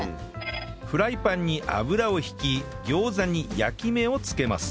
フライパンに油を引き餃子に焼き目を付けます